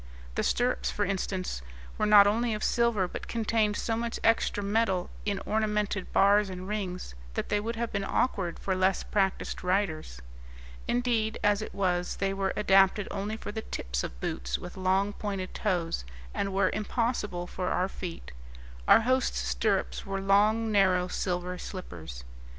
The stirrups, for instance, were not only of silver, but contained so much extra metal in ornamented bars and rings that they would have been awkward for less practised riders. Indeed, as it was, they were adapted only for the tips of boots with long, pointed toes, and were impossible for our feet; our hosts' stirrups were long, narrow silver slippers.